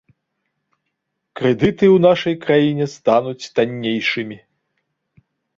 Крэдыты ў нашай краіне стануць таннейшымі.